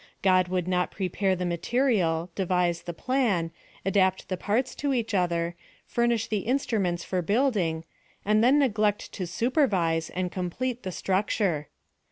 God would not prepare the material, devise the plan, adapt the parts to each other, furnish the instruments for building, and then neglect to supervise and com plete the structure.